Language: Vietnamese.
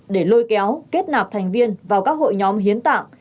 để lôi kéo kết nạp thành viên vào các hội nhóm hiến tạng